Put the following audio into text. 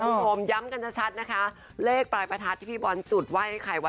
มุมชมย้ำกันชัดนะคะเลขปลายประทัดที่พี่บอลจูดว่าให้ใครวะ